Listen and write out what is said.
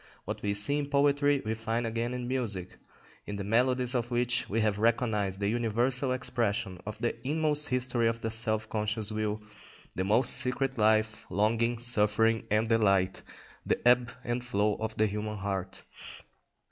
What we see in poetry we find again in music; in the melodies of which we have recognised the universal expression of the inmost history of the self conscious will, the most secret life, longing, suffering, and delight; the ebb and flow of the human heart.